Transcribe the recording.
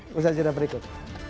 pusat cina berikut